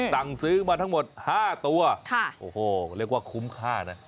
สั่งซื้อมาทั้งหมด๕ตัวโอ้โหเรียกว่าคุ้มค่านะ